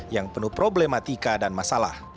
yang penuh problematika dan masalah